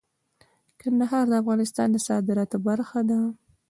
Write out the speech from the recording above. کندهار د افغانستان د صادراتو برخه ده.